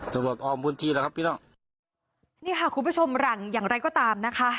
จะบอกออมบุญทีแล้วครับพี่น้องนี่ค่ะคุณผู้ชมหลั่งอย่างไร้ก็ตามนะคะ